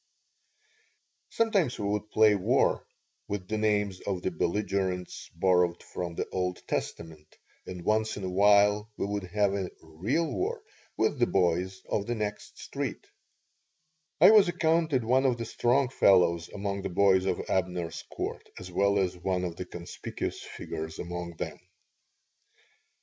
Sometimes we would play war, with the names of the belligerents borrowed from the Old Testament, and once in a while we would have a real "war" with the boys of the next street I was accounted one of the strong fellows among the boys of Abner's Court as well as one of the conspicuous figures among them.